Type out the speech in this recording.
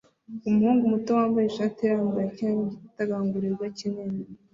Umuhungu muto wambaye ishati irambuye akina nigitagangurirwa kinini